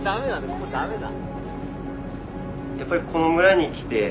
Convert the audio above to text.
ここ駄目だ。